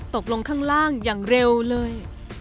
ตกลงข้างล่างอย่างเร็วเลย